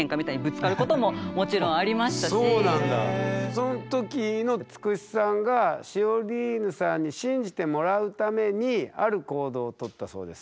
その時のつくしさんがシオリーヌさんに信じてもらうためにある行動を取ったそうです。